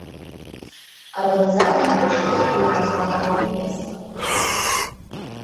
Арганізатарам прыйшлося думаць над новым месцам.